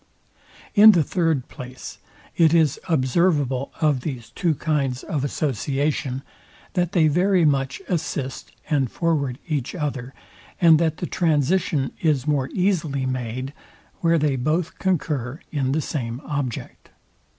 In the THIRD place, it is observable of these two kinds of association, that they very much assist and forward each other, and that the transition is more easily made where they both concur in the same object.